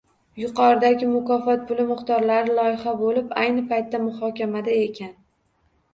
Yuqoridagi mukofot puli miqdorlari loyiha boʻlib, ayni paytda muhokamada ekan.